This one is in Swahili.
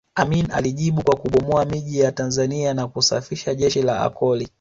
Amin alijibu kwa kubomoa miji ya Tanzania na kusafisha jeshi la Akoli